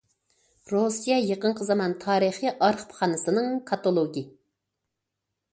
رۇسىيە يېقىنقى زامان تارىخى ئارخىپخانىسىنىڭ كاتالوگى.